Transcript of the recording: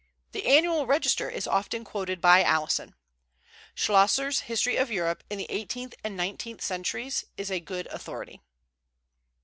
The Annual Register is often quoted by Alison. Schlosser's History of Europe in the eighteenth and nineteenth centuries is a good authority.